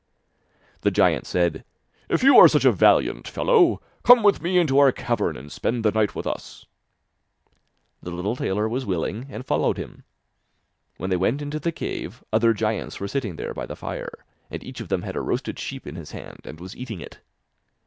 The giant said: 'If you are such a valiant fellow, come with me into our cavern and spend the night with us.' The little tailor was willing, and followed him. When they went into the cave, other giants were sitting there by the fire, and each of them had a roasted sheep in his hand and was eating it.